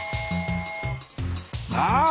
ああ！